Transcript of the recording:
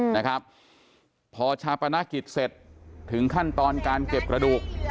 นะครับพอชาปนกิจเสร็จถึงขั้นตอนการเก็บกระดูก